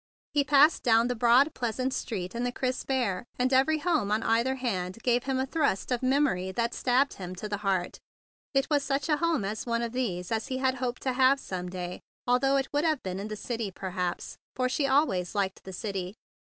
He passed down the broad, pleasant street in the crisp air, and every home on either hand gave him a thrust of memory that stabbed him to the heart. It was such a home as one of these that he had hoped to have some day, al¬ though it would have been in the city, perhaps, for she always liked the city.